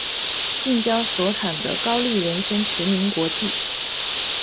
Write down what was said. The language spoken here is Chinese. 近郊所产的高丽人参驰名国际。